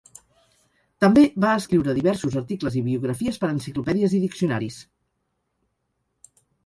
També va escriure diversos articles i biografies per enciclopèdies i diccionaris.